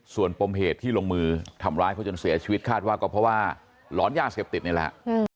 ส่วนปมเหตุที่ลงมือทำร้ายเขาจนเสียชีวิตคาดว่าก็เพราะว่าหลอนยาเสพติดนี่แหละ